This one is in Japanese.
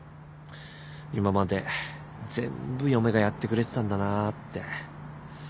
今まで全部嫁がやってくれてたんだなぁって。